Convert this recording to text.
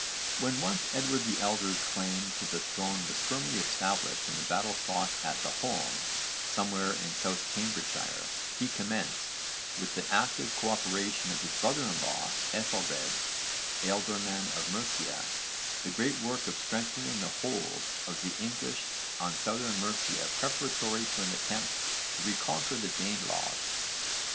When once Edward the Elder's claim to the throne was firmly established in the battle fought at 'the Holm,' somewhere in South Cambridgeshire, he commenced, with the active co operation of his brother in law Aethelred, ealdorman of Mercia, the great work of strengthening the hold of the English on Southern Mercia preparatory to an attempt to reconquer the Danelagh.